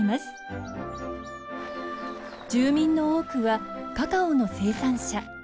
住民の多くはカカオの生産者。